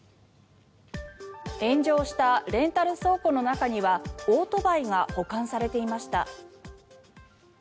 炎上したレンタル倉庫の中にはオートバイが保管されていました。